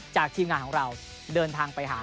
ทีมงานของเราเดินทางไปหา